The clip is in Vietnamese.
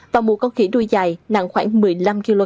và một con khỉ đuôi dài nặng khoảng một mươi năm kg tại quận gò vấp